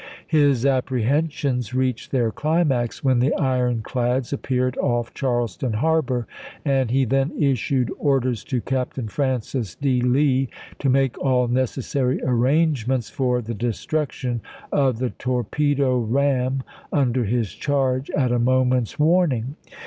His apprehensions reached their climax ibid., P. 849. when the ironclads appeared off Charleston harbor, and he then issued orders to Captain Francis D. Lee to make all necessary arrangements for the destruc tion of the torpedo ram under his charge at a mo ment's warning.